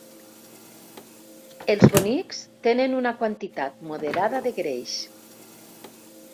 Els bonics tenen una quantitat moderada de greix.